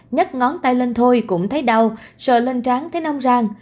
nhất ngón tay lên thôi cũng thấy đau sợ lên trán thấy nong rang